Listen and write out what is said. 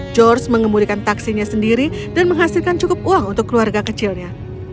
george mengemudikan taksinya sendiri dan menghasilkan cukup uang untuk keluarga kecilnya